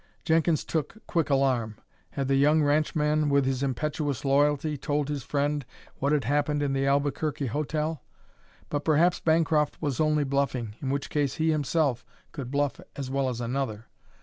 Jenkins took quick alarm. Had the young ranchman, with his impetuous loyalty, told his friend what had happened in the Albuquerque hotel? But perhaps Bancroft was only bluffing, in which case he himself could bluff as well as another.